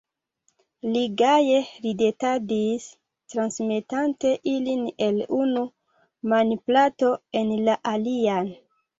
Li gaje ridetadis, transmetante ilin el unu manplato en la alian.